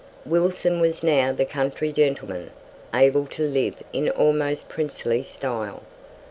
Wilson was now the country gentleman, able to live in almost princely style.